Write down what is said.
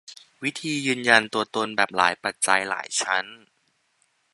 วิธียืนยันตัวตนแบบ "หลายปัจจัย" หลายชั้น